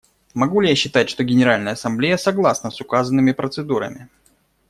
Могу ли я считать, что Генеральная Ассамблея согласна с указанными процедурами?